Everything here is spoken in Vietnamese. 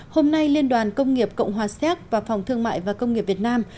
hôm nay liên đoàn công nghiệp cộng hòa xéc và phòng thương mại và công nghiệp việt nam